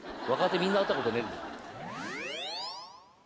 みんな会ったことねえんだ。